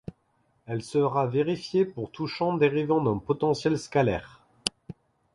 Elle sera vérifiée pour tout champ dérivant d'un potentiel scalaire.